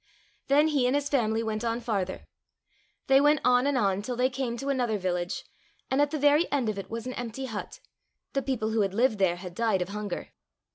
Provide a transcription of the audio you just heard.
Then he and his family went on farther. They went on and on till they came to another village, and at the very end of it was an empty hut — the people who had lived there had died of hunger.